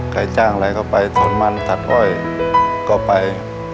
ใครจ้างอะไรก็ไปสวนมันตัดอ้อยก็ไป